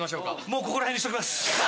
もうここらへんにしときます。